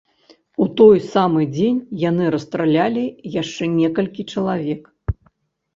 У той самы дзень яны расстралялі яшчэ некалькі чалавек.